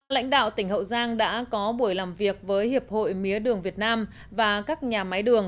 lãnh đạo tỉnh hậu giang đã có buổi làm việc với hiệp hội mía đường việt nam và các nhà máy đường